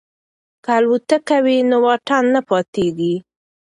که الوتکه وي نو واټن نه پاتیږي.